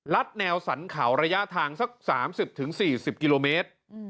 ลัดแนวสันเข่าระยะทาง๓๐๔๐กิโลเมตร